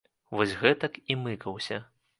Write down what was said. Вось гэтак і мыкаўся.